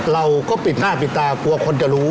เราก็ปิดหน้าปิดตากลัวคนจะรู้